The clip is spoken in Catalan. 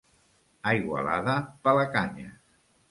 A Igualada, pelacanyes.